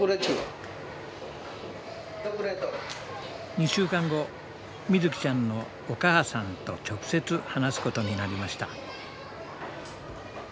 ２週間後みずきちゃんのお母さんと直接話すことになりました。